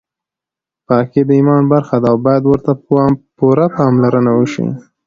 پاکي د ایمان برخه ده او باید ورته پوره پاملرنه وشي.